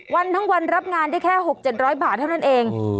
ทั้งวันรับงานได้แค่๖๗๐๐บาทเท่านั้นเอง